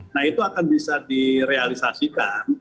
nah itu akan bisa direalisasikan